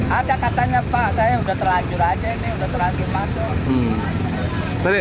ada katanya pak saya sudah terlanjur aja ini sudah terlanjur pak